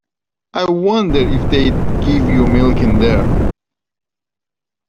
I wonder if they’d give you milk in there?